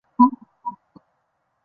福州名医。